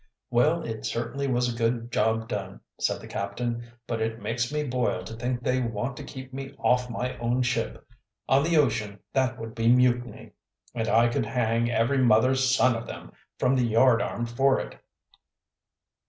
"Well, it certainly was a good job done," said the captain. "But it makes me boil to think they want to keep me off my own ship. On the ocean that would be mutiny, and I could hang every mother's son of them from the yardarm for it."